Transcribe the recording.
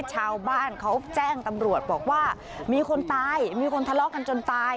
ชาวบ้านเขาแจ้งตำรวจบอกว่ามีคนตายมีคนทะเลาะกันจนตาย